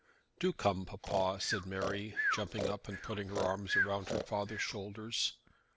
"Do come, papa," said Mary, jumping up and putting her arm round her father's shoulders.